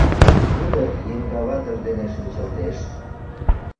— Тудо еҥгаватыж дене шинчылтеш!